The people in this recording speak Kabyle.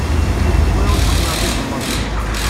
Ur awent-tteqqneɣ tigeḍmatin.